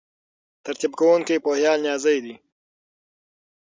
ترتیب کوونکی پوهیالی نیازی دی.